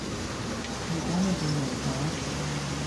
如果你哋贏咗